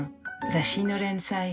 雑誌の連載